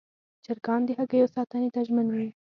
چرګان د هګیو ساتنې ته ژمن دي.